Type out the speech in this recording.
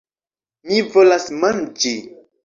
Mi volas manĝi...